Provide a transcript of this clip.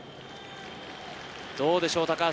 どうでしょう？